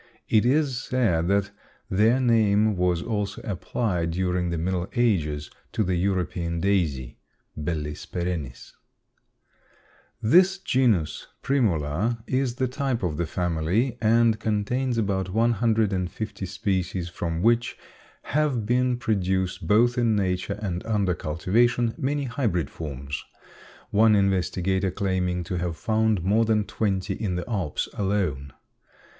It is said that their name was also applied, during the middle ages, to the European daisy (Bellis perennis.) This genus, Primula, is the type of the family and contains about one hundred and fifty species from which have been produced, both in nature and under cultivation, many hybrid forms, one investigator claiming to have found more than twenty in the Alps alone.